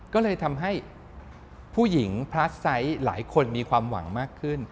ก็เลยทำให้ผู้หญิงพลาสไซต์หลายคนมีความหวังมากขึ้น